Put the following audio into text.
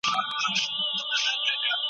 غوره کړی چا دوکان چا خانقاه ده.